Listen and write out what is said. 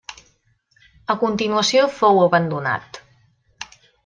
A continuació, fou abandonat.